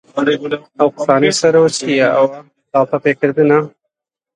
حەجەمەش هەر تفی قووت دەدا و ملی درێژ دەکرد و دەیگوت: